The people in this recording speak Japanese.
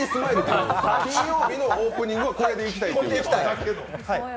金曜日のオープニングをこれでいきたいと。